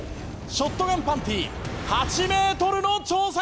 ショットガンパンティ８メートルの挑戦！